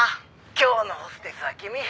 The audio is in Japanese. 「今日のホステスは君？」